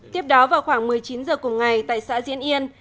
tiếp đó vào khoảng một mươi chín h cùng ngày tại xã diễn yên